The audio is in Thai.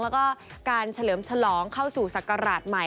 แล้วก็การเฉลิมฉลองเข้าสู่ศักราชใหม่